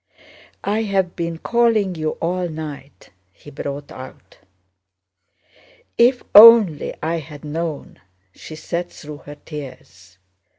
"I have been calling you all night..." he brought out. "If only I had known..." she said through her tears.